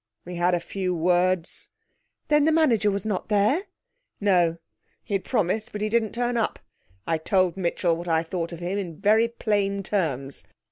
'We had a few words.' 'Then the manager was not there?' 'No; he'd promised, but didn't turn up. I told Mitchell what I thought of him in very plain terms.